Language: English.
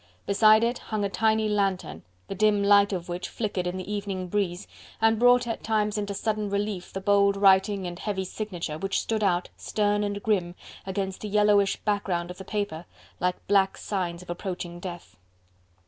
Beside it hung a tiny lantern, the dim light of which flickered in the evening breeze, and brought at times into sudden relief the bold writing and heavy signature, which stood out, stern and grim, against the yellowish background of the paper, like black signs of approaching death.